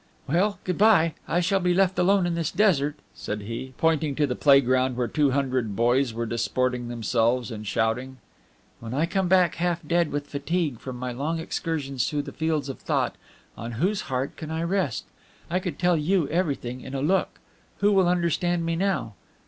"Well, good bye; I shall be left alone in this desert!" said he, pointing to the playground where two hundred boys were disporting themselves and shouting. "When I come back half dead with fatigue from my long excursions through the fields of thought, on whose heart can I rest? I could tell you everything in a look. Who will understand me now?